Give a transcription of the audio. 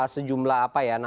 sejumlah apa ya